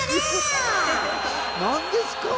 何ですか？